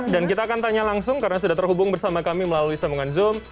dan kita akan tanya langsung karena sudah terhubung bersama kami melalui sambungan zoom